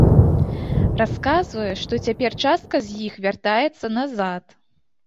Расказвае, што цяпер частка з іх вяртаецца назад.